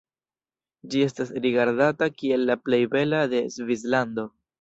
Ĝi estas rigardata kiel la plej bela de Svislando.